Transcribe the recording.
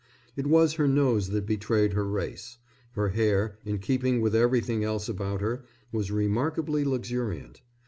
It was her nose that betrayed her race. Her hair, in keeping with everything else about her, was remarkably luxuriant.